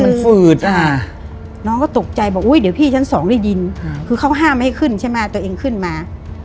มันฝืดน้องก็ตกใจบอกอุ้ยเดี๋ยวพี่ชั้นสองได้ยินคือเขาห้ามให้ขึ้นใช่ไหมตัวเองขึ้นมา